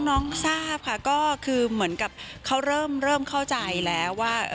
น้องทราบค่ะก็คือเหมือนกับเขาเริ่มเข้าใจแล้วว่า